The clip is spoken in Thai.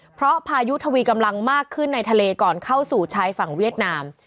เพราะพายุทวีกำลังมากขึ้นในทะเลก่อนเข้าสู่ชายฝั่งเวียดนาม